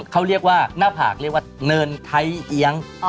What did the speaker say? เขาเรียกว่าหน้าผากเรียกว่าเนินไทยเอี๊ยง